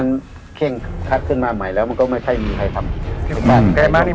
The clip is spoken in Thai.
เพราะอย่างนี้เครื่องทัดขึ้นมาใหม่แล้วก็ไม่ใช่มีใครทำ